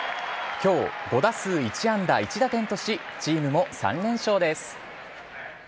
きょう５打数１安打１打点とし、チームも３連勝です。